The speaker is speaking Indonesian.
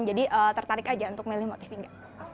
jadi tertarik aja untuk milih motiviga